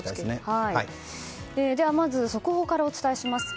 まず速報からお伝えします。